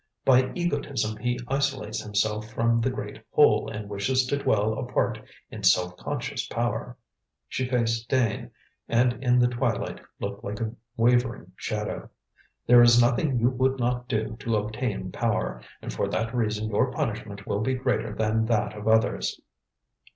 By egotism he isolates himself from the Great Whole, and wishes to dwell apart in self conscious power." She faced Dane, and in the twilight looked like a wavering shadow. "There is nothing you would not do to obtain power, and for that reason your punishment will be greater than that of others."